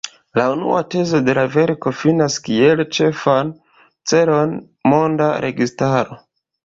La unua tezo de la verko difinas kiel ĉefan celon monda registaro.